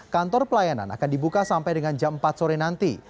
kantor pelayanan akan dibuka sampai dengan jam empat sore nanti